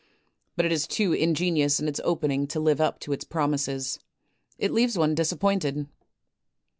But it is too ingenious in its opening to live up to its promises. It leaves one disap pointed."